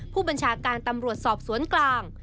ผู้บัญชาการตำรวจสอบสวนกลาง